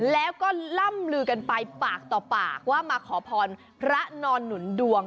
แล้วก็ล่ำลือกันไปปากต่อปากว่ามาขอพรพระนอนหนุนดวง